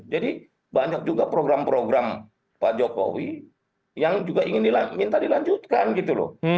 jadi banyak juga program program pak jokowi yang juga minta dilanjutkan gitu loh